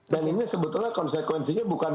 ini sebetulnya konsekuensinya bukan